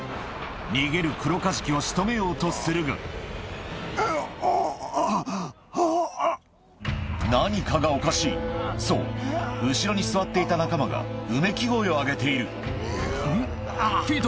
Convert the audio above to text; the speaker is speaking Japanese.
逃げるクロカジキを仕留めようとするが何かがおかしいそう後ろに座っていた仲間がうめき声を上げているん？